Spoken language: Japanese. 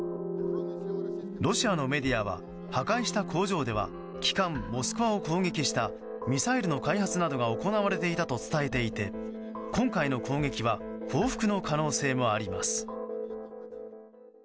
ロシアのメディアは破壊した工場では旗艦「モスクワ」を攻撃したミサイルの開発などが行われていたと伝えていて今回の攻撃は報復の可能性もあります。